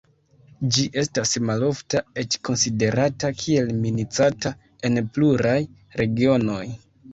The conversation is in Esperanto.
Ĝi estas malofta, eĉ konsiderata kiel minacata en pluraj regionoj.